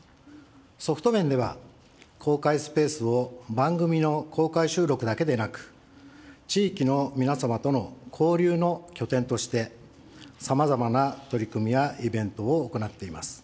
ソフト面では、公開スペースを番組の公開収録だけでなく、地域の皆様との交流の拠点として、さまざまな取り組みやイベントを行っています。